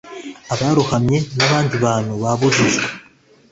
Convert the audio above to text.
abarohamye n abandi bantu babujijwe